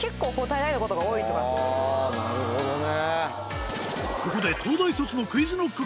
はぁなるほどね。